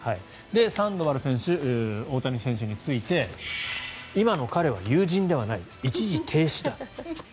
サンドバル選手大谷選手について今の彼は友人ではない一時停止だ。